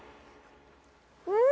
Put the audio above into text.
うん！